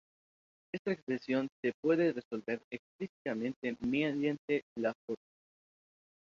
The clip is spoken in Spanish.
Esta expresión se puede resolver explícitamente mediante la fórmula